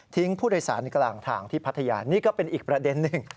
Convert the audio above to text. ผู้โดยสารกลางทางที่พัทยานี่ก็เป็นอีกประเด็นหนึ่ง